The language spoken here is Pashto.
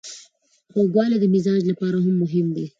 خوږوالی د مزاج لپاره هم مهم دی.